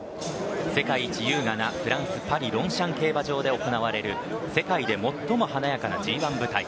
世界一優雅なフランスパリロンシャン競馬場で行われる世界で最も華やかなＧ１舞台。